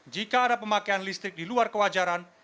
jika ada pemakaian listrik di luar kewajaran